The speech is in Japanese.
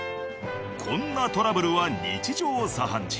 こんなトラブルは日常茶飯事。